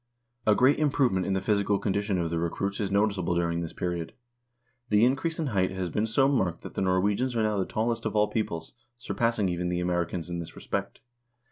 A great improvement in the physical condition of the recruits is noticeable during this period. The increase in height has been so marked that the Norwegians are now the tallest of all peoples, surpassing even the Americans in this respect.